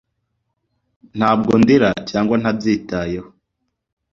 ntabwo ndira cyangwa ntabyitayeho